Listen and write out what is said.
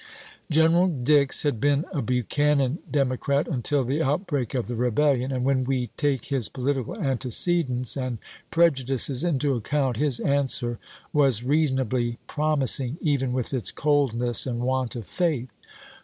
General Dix had been a Buchanan Democrat until the outbreak of the rebellion, and when we take his political antecedents and prejudices into account his answer was reasonably promising even i^ea. with its coldness and want of faith.